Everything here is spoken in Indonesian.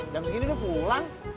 jam segini udah pulang